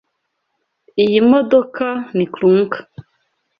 Iyi modoka ni clunker.